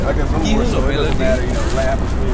কী হলো, মেলোডি।